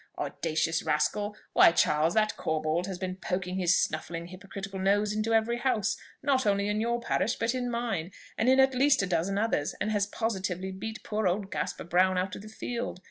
Audacious rascal! Why, Charles, that Corbold has been poking his snuffling, hypocritical nose, into every house, not only in your parish but in mine, and in at least a dozen others, and has positively beat poor old Gaspar Brown out of the field.